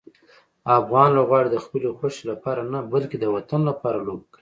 افغان لوبغاړي د خپلې خوښۍ لپاره نه، بلکې د وطن لپاره لوبه کوي.